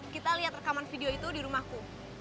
kita lihat rekaman video itu di rumahku